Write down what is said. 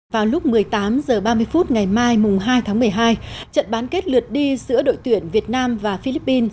vào lúc một mươi tám h ba mươi phút ngày mai hai tháng một mươi hai trận bán kết lượt đi giữa đội tuyển việt nam và philippines